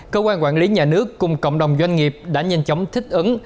cơ quan quản lý nhà nước cùng cộng đồng doanh nghiệp đã nhanh chóng thích ứng